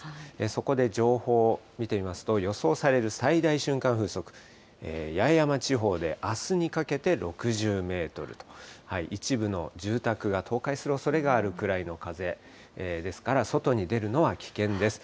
そこで情報を見てみますと、予想される最大瞬間風速、八重山地方であすにかけて６０メートルと、一部の住宅が倒壊するおそれがあるくらいの風ですから、外に出るのは危険です。